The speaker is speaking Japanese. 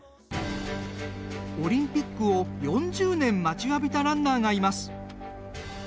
オリンピックを４０年待ちわびたランナーがいます。